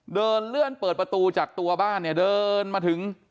เดินเลื่อนเปิดประตูจากตัวบ้านเนี่ยเดินมาถึง